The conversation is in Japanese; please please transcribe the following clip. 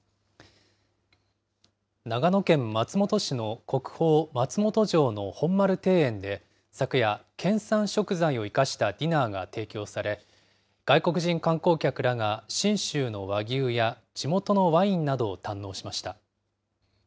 長野県松本市の国宝松本城の本丸庭園で、昨夜、県産食材を生かしたディナーが提供され、外国人観光客らが信州の和牛や、地元のワインなどを堪能しました。